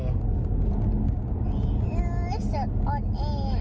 รู้สึกอ่อนแอ